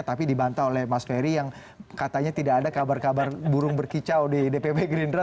tapi dibantah oleh mas ferry yang katanya tidak ada kabar kabar burung berkicau di dpp gerindra